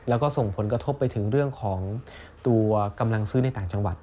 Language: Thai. แล้วก็ส่งผลกระทบไปถึงเรื่องของตัวกำลังซื้อในต่างจังหวัด